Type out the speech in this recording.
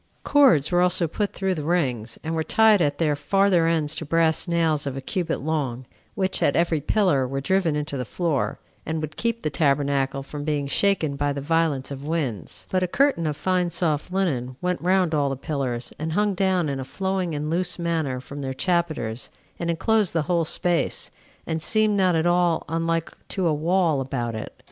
Cords were also put through the rings, and were tied at their farther ends to brass nails of a cubit long, which, at every pillar, were driven into the floor, and would keep the tabernacle from being shaken by the violence of winds; but a curtain of fine soft linen went round all the pillars, and hung down in a flowing and loose manner from their chapiters, and enclosed the whole space, and seemed not at all unlike to a wall about it.